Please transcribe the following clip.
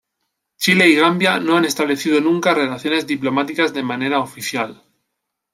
Chile y Gambia no han establecido nunca relaciones diplomáticas de manera oficial.